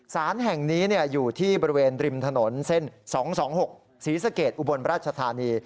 สารแห่งนี้เนี่ยอยู่ที่บริเวณริมถนนเส้นสองสองหกศรีสะเกดอุบลประชาธารณี